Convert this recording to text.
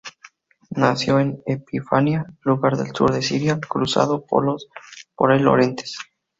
Nació en Epifanía, lugar del sur de Siria cruzado por el Orontes.